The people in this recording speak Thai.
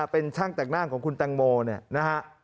เป็นช่างแต่งหน้าของคุณแตงโมเนี่ยนะฮะ